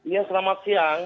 iya selamat siang